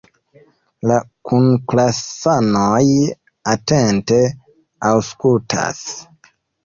La kunklasanoj atente aŭskultas.